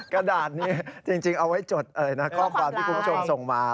กระดาษนี้จริงเอาไว้จดเลยนะข้อความที่คุณผู้ชมส่งมา